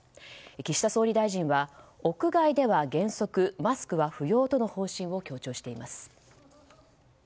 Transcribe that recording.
岸田総理大臣は屋外では原則マスクは不要との方針を強調しています。